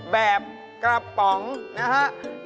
แบบกระป๋องนะฮะ